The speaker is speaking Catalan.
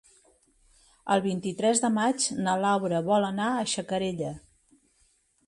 El vint-i-tres de maig na Laura vol anar a Xacarella.